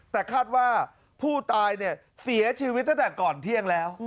แต่คาดว่าผู้ตายเนี่ยเสียชีวิตตั้งแต่ก่อนเที่ยงแล้ว